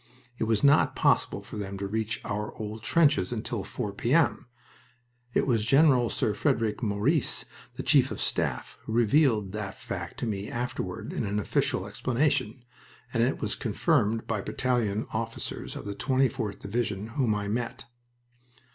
It was not possible for them to reach our old trenches until 4 P.M. It was Gen. Sir Frederick Maurice, the Chief of Staff, who revealed that fact to me afterward in an official explanation, and it was confirmed by battalion officers of the 24th Division whom I met.